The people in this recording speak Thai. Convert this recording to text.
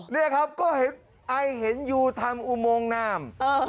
เนี่ยครับก็ไอเห็นอยู่ทำอุโมงนาม